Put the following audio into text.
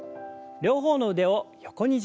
両方の腕を横に準備します。